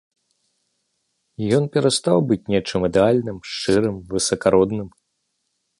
Ён перастаў быць нечым ідэальным, шчырым, высакародным.